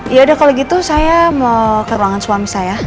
yaudah kalo gitu saya mau ke ruangan suami saya